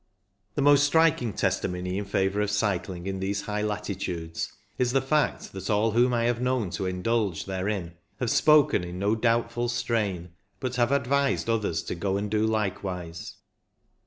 The most striking testimony in favour of cycling in these high latitudes is the fact that all whom I have known to indulge therein have spoken in no doubtful strain, but have advised others to go and do likewise.